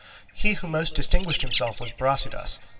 He who most distinguished himself was Brasidas.